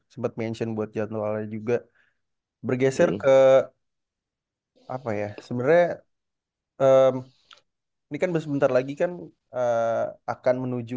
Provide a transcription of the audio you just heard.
sempat mention buat jadwalnya juga bergeser ke apa ya sebenarnya ini kan sebentar lagi kan akan menuju